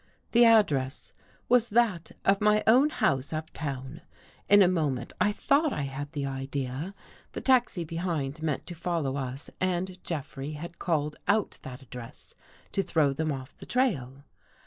The address was that of my own house uptown! In a moment I thought I had the idea. The taxi behind meant to follow us and Jeffrey had called out that address to throw them off the trail.